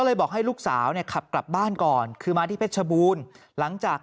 บอกให้ลูกสาวเนี่ยขับกลับบ้านก่อนคือมาที่เพชรชบูรณ์หลังจาก